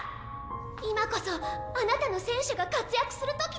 今こそあなたの戦車が活躍する時でしょ？